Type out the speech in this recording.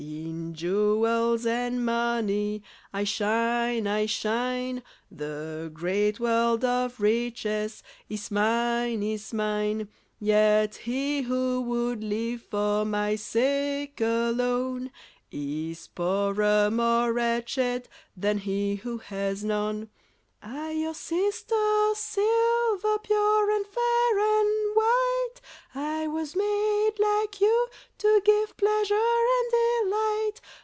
In jewels and money I shine, I shine. The great world of riches Is mine, is mine. Yet he who would live For my sake alone, Is poorer, more wretched Than he who has none. I, your sister, Silver, Pure and fair and white, I was made, like you, to give Pleasure and delight.